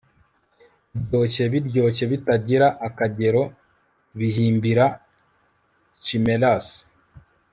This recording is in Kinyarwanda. Biryoshye biryoshye bitagira akagero bihimbira chimeras